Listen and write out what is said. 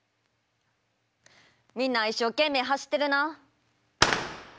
みんな一生懸命走ってるな。